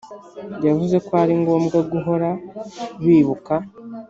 yavuze ko aringombwa guhora bibuka